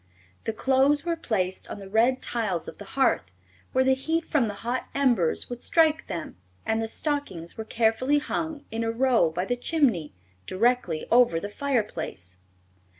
The shoes were placed on the red tiles of the hearth, where the heat from the hot embers would strike them, and the stockings were carefully hung in a row by the chimney, directly over the fireplace.